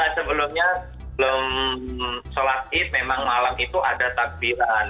sebelumnya belum sholat id memang malam itu ada takbiran